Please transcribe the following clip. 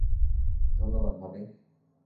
ধন্যবাদ, ভাবি।